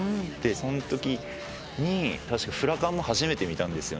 そのときに確かフラカンも初めて見たんです。